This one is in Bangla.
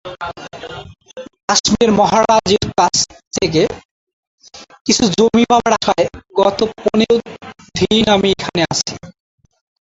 কাশ্মীরের মহারাজের কাছ থেকে কিছু জমি পাবার আশায় গত পনর দিন আমি এখানে আছি।